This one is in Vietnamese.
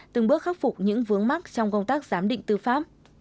từng bước khắc phục những vướng mắc trong công tác giám định tư pháp